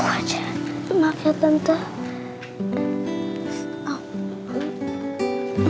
pak tata serventating friend